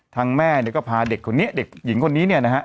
แม่เนี่ยก็พาเด็กคนนี้เด็กหญิงคนนี้เนี่ยนะฮะ